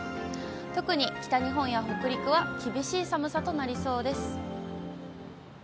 特に北日本や北陸は厳しい寒さとなりそうです。